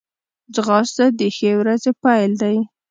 ځغاسته د ښې ورځې پیل دی